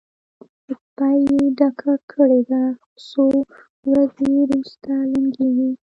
سپۍ یې ډکه کړې ده؛ څو ورځې روسته لنګېږي.